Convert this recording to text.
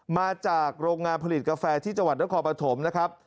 มาจากโรงงานผลิตกาแฟที่จังหวัดนครปฐมนะครับ